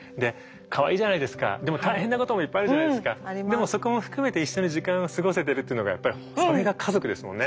でもそこも含めて一緒に時間を過ごせてるっていうのがやっぱりそれが家族ですもんね。